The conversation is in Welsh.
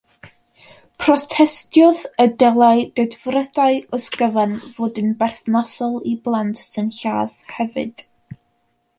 Protestiodd y dylai dedfrydau oes gyfan fod yn berthnasol i blant sy'n lladd hefyd.